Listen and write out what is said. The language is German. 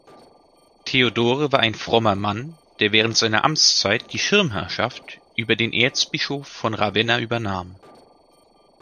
Theodore war ein frommer Mann, der während seiner Amtszeit die Schirmherrschaft über den Erzbischof von Ravenna übernahm.